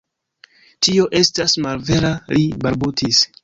Tio estas malvera, li balbutis.